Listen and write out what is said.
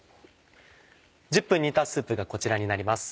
１０分煮たスープがこちらになります。